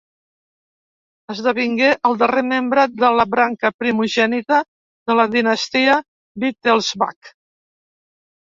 Esdevingué el darrer membre de la branca primogènita de la dinastia Wittelsbach.